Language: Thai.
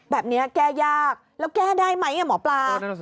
แก้ยากแล้วแก้ได้ไหมหมอปลา